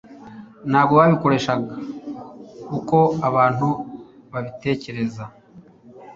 ntabwo babikoreshaga uko abantu babitekereza